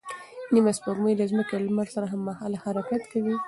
نیمه سپوږمۍ د ځمکې او لمر سره هممهاله حرکت کوي.